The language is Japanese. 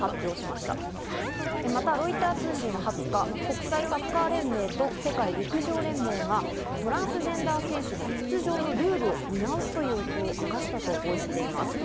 またロイター通信は２０日、国際サッカー連盟と世界陸上連盟がトランスジェンダー選手の出場のルールを見直すという意向を明かしたと報じています。